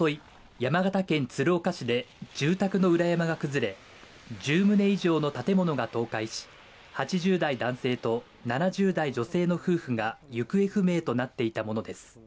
山形県鶴岡市で住宅の裏山が崩れ、１０棟以上の建物が倒壊し、８０代男性と７０代女性の夫婦が行方不明となっていたものです。